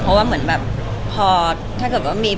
ก่อนว่าจะยังไงดี